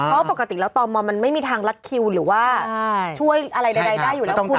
เพราะปกติแล้วตมมันไม่มีทางลัดคิวหรือว่าช่วยอะไรใดได้อยู่แล้วคุณ